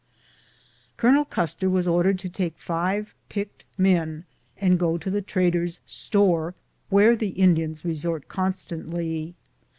Colonel Custer was ordered to take five picked men and go to the trader's store, where the Indians resort con stantly.